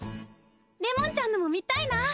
れもんちゃんのも見たいな！